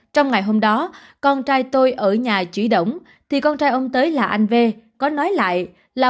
trong ngày hôm đó con trai tôi ở nhà chửi động thì con trai ông tê là anh v có nói lại là